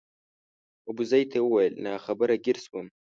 ابوزید ته وویل ناخبره ګیر شوم.